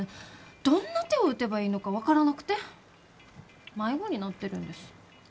どんな手を打てばいいのか分からなくて迷子になってるんです。